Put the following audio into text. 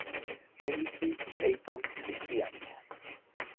რელიგიით ტეიტუმი ქრისტიანია.